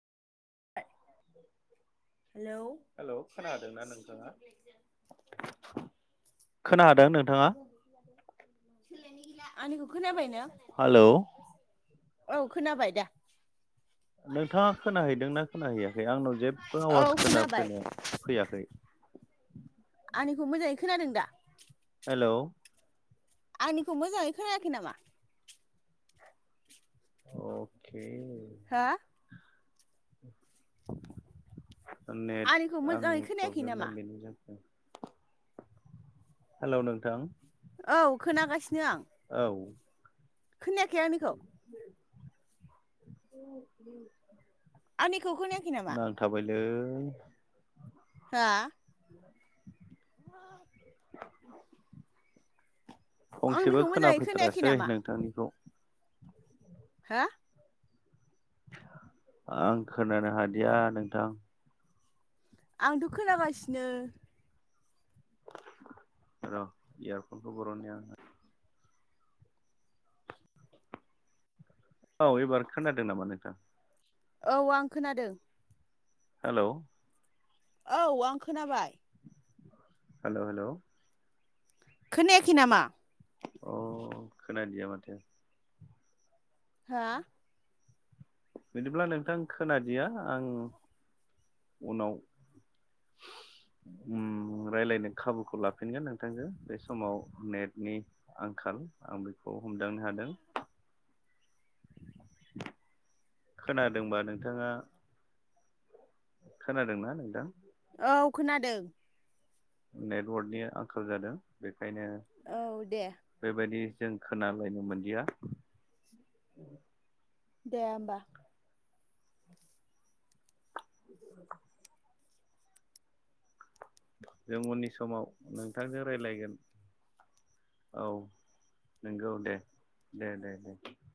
Hello hello खोनादोंना नोंथाङा? खोनादों नोंथाङा? आंनिखौ खोनाबाय ना? हेलौ औ खोनाबाय दा। नोंथाङा खोनाहैदोंनाा खोनाहैयाखै आंनाव जेबो औ आवाज खोनाबाय खोनाफैनो फैयाखै? आंनिखौ मोजाङै खोनादों दा? हेल' आंनिखौ मोजाङै खोनायाखै नामा? अके। हा? [unintelligible] [inaudible] नेट आंनिखौ मोजाङै आंनि खोनायाखै प्रब्लेमना नामा बेनोजों हेल' नोंथां? औ खोनागासिनो आं। औ। खोनायाखै आंनिखौ? [unintelligible] [inaudible] आंनिखौ खोनायाखै नामा? थाबायलै हा? [unintelligible] [inaudible] फंसेबो आंनिखौ मोजाङै खोनायाखै खोनाफैथारासै नामा नोंथांनिखौ? हा? आं खोनानो हादिया नोंथां? आंथ' खोनागासिनो। र' इयारफनखौ बर'न्निआं औ एबार खोनादों नामा नोंथां? औ आं खोनादों। हेल' औ आं खोनाबाय। हेल'- हेल' खोनायाखै नामा? अ खोनादिया माथो हा? बिदिब्ला नोंथां खोनादिया आं उनाव [inaudible] उम रायलायनो खाबुखौ लाफिनगोन नोंथांजों बे समाव नेटनि आंखाल आं बेखौ हमदांनो हादों। खोनादोंबा नोंथाङा? खोनादोंना नोंथां? औ खोनादों। नेटवार्कनि आंखाल जादों बेखायनो औ दे बेबायदि जों खोनालायनो मोनदिया दे होमबा [inaudible] जों उननि समाव नोंथांजों रायलायगोन औ नंगौ दे दे दे दे